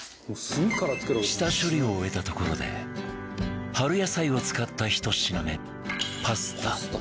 下処理を終えたところで春野菜を使った１品目パスタ